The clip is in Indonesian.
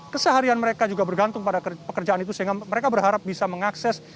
keseharian mereka juga bergantung pada pekerjaan itu sehingga mereka berharap bisa mengakses